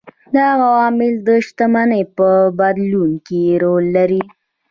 دا عوامل د شتمنۍ په بدلون کې رول لري.